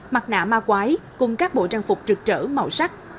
mặt nạ ma quái cùng các bộ trang phục trực trở màu sắc